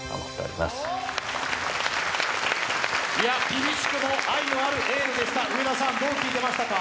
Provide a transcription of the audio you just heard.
厳しくも愛のあるエールでした。